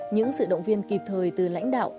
những sự động viên kịp thời từ lãnh đạo